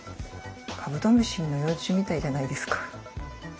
カブトムシの幼虫みたいじゃないですか？